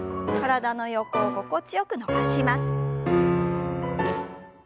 体の横を心地よく伸ばします。